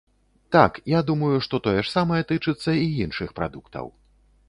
Так, я думаю, што тое ж самае тычыцца і іншых прадуктаў.